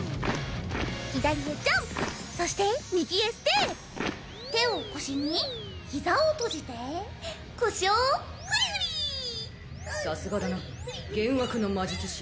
左へジャンプそして右へステップ手を腰に膝を閉じて腰をフリフリさすがだな幻惑の魔術師